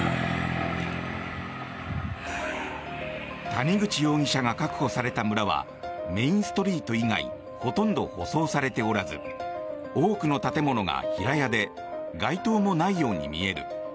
谷口容疑者が確保された村はメインストリート以外ほとんど舗装されておらず多くの建物が平屋で街灯もないように見える。